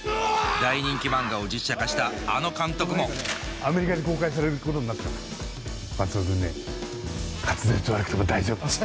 大人気漫画を実写化したあの監督もアメリカで公開されることになったから松戸君ね滑舌悪くても大丈夫。